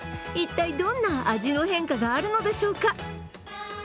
一体どんな味の変化があるのでしょうか。